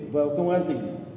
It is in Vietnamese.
vào công an tỉnh